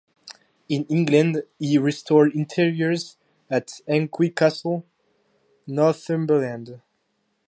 In England he restored interiors at Alnwick Castle, Northumberland.